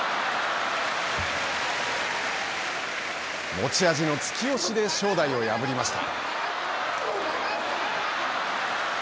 持ち味の突き押しで正代を破りました。